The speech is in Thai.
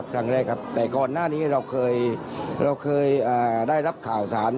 ครั้งแรกแต่ก่อนหน้านี้ก็เคยได้รับข่าวสาร